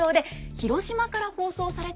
広島で放送された？